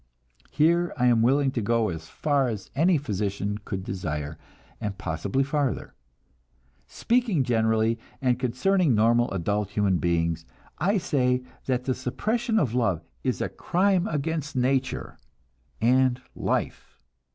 Here I am willing to go as far as any physician could desire, and possibly farther. Speaking generally, and concerning normal adult human beings, I say that the suppression of love is a crime against nature and life.